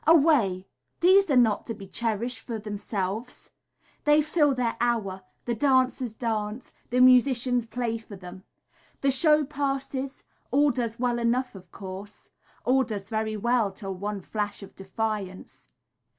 Away! these are not to be cherish’d for themselves, They fill their hour, the dancers dance, the musicians play for them, The show passes, all does well enough of course, All does very well till one flash of defiance.